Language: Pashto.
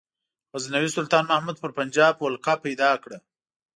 غزنوي سلطان محمود پر پنجاب ولکه پیدا کړه.